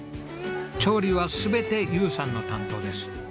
調理は全て友さんの担当です。